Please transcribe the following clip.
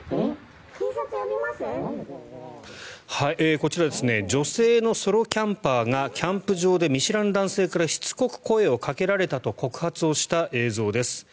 こちらは女性のソロキャンパーがキャンプ場で見知らぬ男性からしつこく声をかけられたと告発をした映像です。